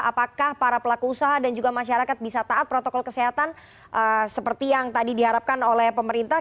apakah para pelaku usaha dan juga masyarakat bisa taat protokol kesehatan seperti yang tadi diharapkan oleh pemerintah